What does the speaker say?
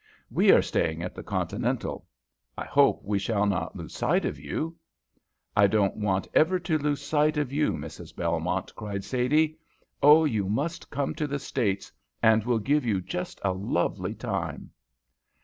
"We are staying at the Continental. I hope we shall not lose sight of you." "I don't want ever to lose sight of you, Mrs. Belmont," cried Sadie. "Oh, you must come to the States, and we'll give you just a lovely time."